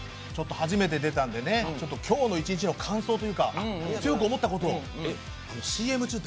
初めて出たんで今日の一日の感想というか強く思ったことを。